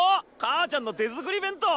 母ちゃんの手作り弁当！